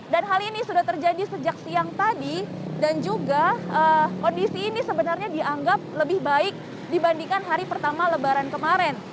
dan hal ini sudah terjadi sejak siang tadi dan juga kondisi ini sebenarnya dianggap lebih baik dibandingkan hari pertama lebaran kemarin